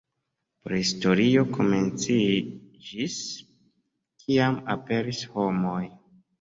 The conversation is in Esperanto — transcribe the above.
Prahistorio komenciĝis, kiam "aperis" homoj.